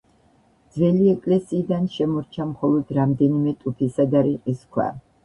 ძველი ეკლესიიდან შემორჩა მხოლოდ რამდენიმე ტუფისა და რიყის ქვა.